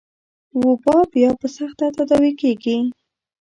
وبا بيا په سخته تداوي کېږي.